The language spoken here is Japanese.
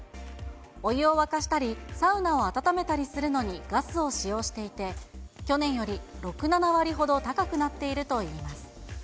お湯を沸かしたり、サウナを温めたりするのにガスを使用していて、去年より６、７割ほど高くなっているといいます。